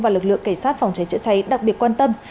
và lực lượng cảnh sát phòng cháy chữa cháy đặc biệt quan tâm